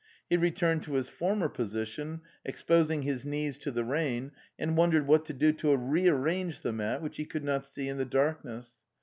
He returned to his former position, exposing his knees to the rain, and wondered what to do to rearrange the mat which he could not see in the darkness.